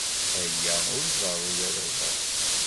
Aya ur iḍerru ara da.